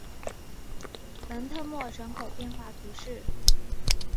蒙特莫人口变化图示